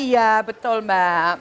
iya betul mbak